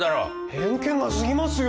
偏見が過ぎますよ！